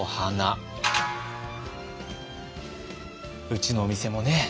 うちのお店もね